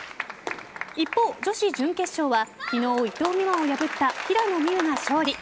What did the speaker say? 一方、女子準決勝は昨日、伊藤美誠を破った平野美宇が勝利。